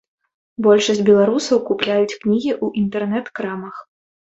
Большасць беларусаў купляюць кнігі ў інтэрнэт-крамах.